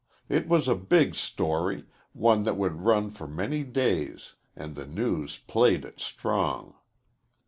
It was a big "story," one that would run for many days, and the "News" played it strong.